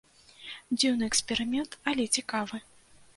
Дзіўны эксперымент, але цікавы.